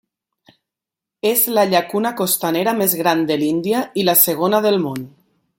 És la llacuna costanera més gran de l'Índia i la segona del món.